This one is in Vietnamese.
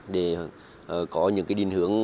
để có những định hướng